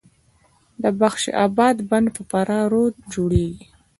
د بخش اباد بند په فراه رود جوړیږي